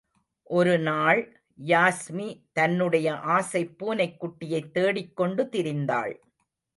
ஒரு நாள் யாஸ்மி தன்னுடைய ஆசைப் பூனைக்குட்டியைத் தேடிக் கொண்டு திரிந்தாள்.